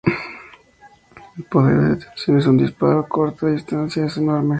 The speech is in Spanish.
El poder de detención de un disparo a corta distancia es enorme.